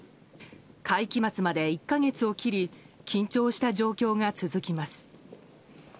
会期末まで１か月を切り緊張した状況が続きます。